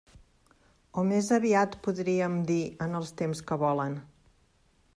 O més aviat podríem dir en els temps que volen?